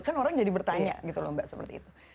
kan orang jadi bertanya gitu loh mbak seperti itu